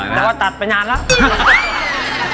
แต่ว่าตัดไปนานแล้ว